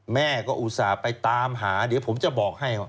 แม่ก็อุตส่าห์ไปตามหาเดี๋ยวผมจะบอกให้